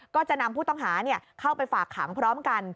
ก็จะนำผู้ต้องหาเข้าไปฝากขังพร้อมกัน